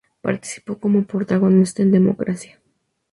Participó como protagonista en "Democracia".